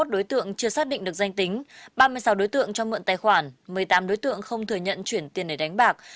ba mươi sáu đối tượng cho mượn tài khoản một mươi tám đối tượng không thừa nhận chuyển tiền để đánh bạc